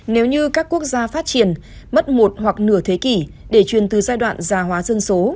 nếu như các quốc gia phát triển mất một hoặc nửa thế kỷ để truyền từ giai đoạn già hóa dân số